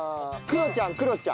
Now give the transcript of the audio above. クロちゃん。